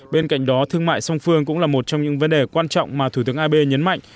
bên cạnh đó thương mại song phương cũng là một trong những vấn đề quan trọng mà thủ tướng abe nhấn mạnh